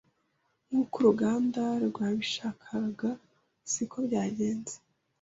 nkuko uruganda rwabishakaga siko byagenze